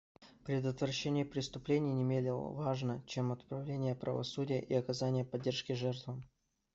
Предотвращение преступлений не менее важно, чем отправление правосудия и оказание поддержки жертвам.